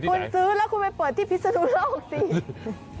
คุณซื้อแล้วคุณไปเปิดที่พิศนุโลกสิ